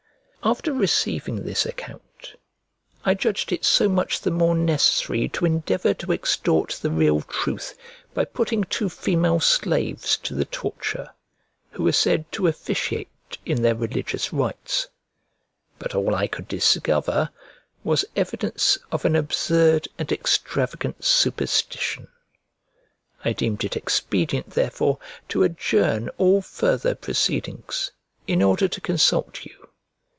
After receiving this account, I judged it so much the more necessary to endeavor to extort the real truth, by putting two female slaves to the torture, who were said to officiate' in their religious rites: but all I could discover was evidence of an absurd and extravagant superstition. I deemed it expedient, therefore, to adjourn all further proceedings, in order to consult you.